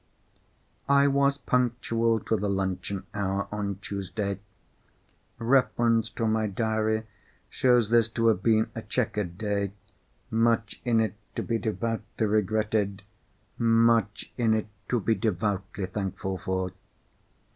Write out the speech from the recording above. I was punctual to the luncheon hour on Tuesday. Reference to my diary shows this to have been a chequered day—much in it to be devoutly regretted, much in it to be devoutly thankful for.